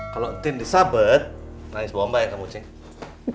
kalau entin disabet nangis bomba ya kamu ceng